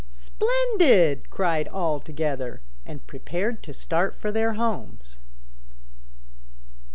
"Splendid," cried all together and prepared to start for their homes.